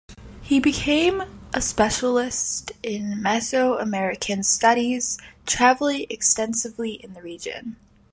He became a specialist in Mesoamerican studies, travelling extensively in the region.